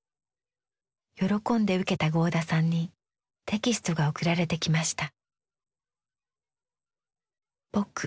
喜んで受けた合田さんにテキストが送られてきました。